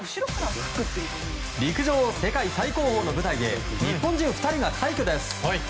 陸上、世界最高峰の舞台で日本人２人が快挙です。